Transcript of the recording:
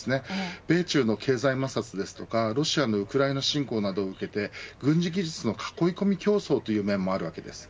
米中の経済摩擦やロシアのウクライナ侵攻などを受けて軍事技術の囲い込み競争という面もあるわけです。